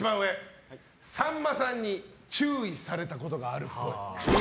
さんまさんに注意されたことがあるっぽい。